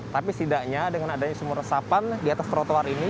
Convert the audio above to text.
tapi setidaknya dengan adanya sumur resapan di atas trotoar ini